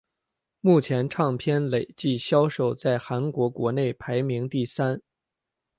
目前唱片累计销量在韩国国内排名第三。